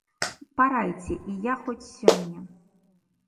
Парайце, і я хоць сёння!